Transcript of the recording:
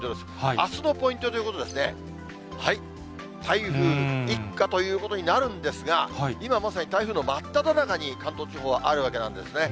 あすのポイントということですね、台風一過ということになるんですが、今まさに台風の真っただ中に、関東地方はあるわけなんですね。